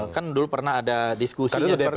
kan dulu pernah ada diskusinya seperti itu